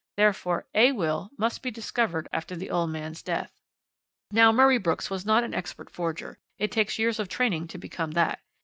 Therefore a will must be discovered after the old man's death. "Now, Murray Brooks was not an expert forger, it takes years of training to become that.